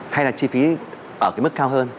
hay là chi phí ở cái mức cao hơn